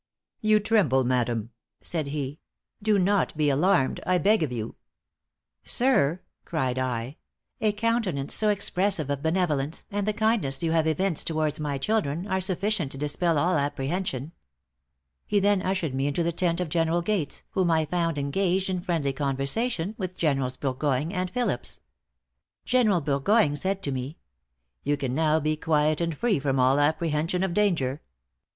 "You tremble, madam," said he; "do not be alarmed, I beg of you." "Sir," cried I "a countenance so expressive of benevolence, and the kindness you have evinced towards my children, are sufficient to dispel all apprehension." He then ushered me into the tent of General Gates, whom I found engaged in friendly conversation with Generals Burgoyne and Phillips. General Burgoyne said to me "you can now be quiet and free from all apprehension of danger."